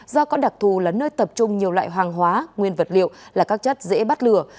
do có đặc thù là nơi tập trung nhiều loại hoàng hóa nguyên vật liệu là các chất dễ bắt lửa